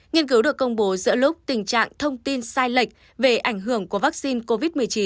nghiên cứu được công bố giữa lúc tình trạng thông tin sai lệch về ảnh hưởng của vaccine covid một mươi chín